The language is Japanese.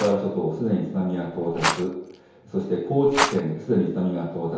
すでに津波は到達、そして高知県、すでに津波が到達。